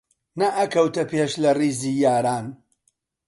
نەئەکەوتە پێش لە ڕیزی یاران